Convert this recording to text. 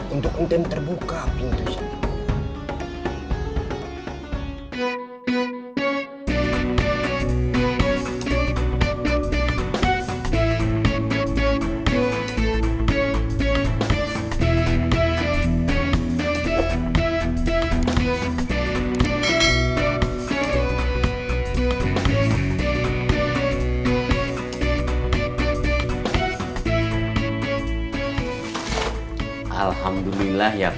untuk minta terbuka pintu saya